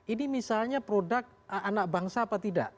ini misalnya produk anak bangsa apa tidak